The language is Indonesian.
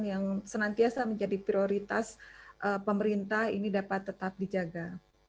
yang senantiasa menjadi prioritas pemerintah ini dapat tetap dijaga